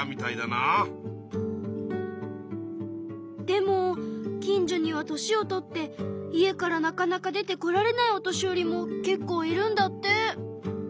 でも近所には年を取って家からなかなか出て来られないお年寄りもけっこういるんだって。